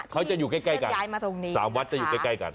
ที่มันย้ายมาตรงนี้๓วัดจะอยู่ใกล้กัน